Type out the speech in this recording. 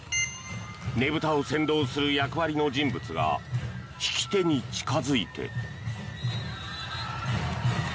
ねぶたを先導する役割の人物が引き手に近付いて。